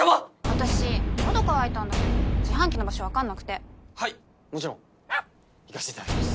私のど渇いたんだけど自販機の場所わかんなくてはいもちろん行かしていただきます